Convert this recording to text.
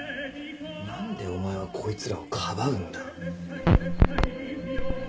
何でお前はこいつらをかばうんだ？